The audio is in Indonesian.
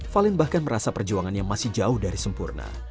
valin bahkan merasa perjuangan yang masih jauh dari sempurna